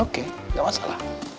oke gak masalah